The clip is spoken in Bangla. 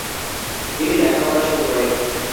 তিনি লেখাপড়া শুরু করেন।